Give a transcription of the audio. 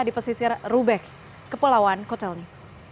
di pesisir rubek kepulauan kotelni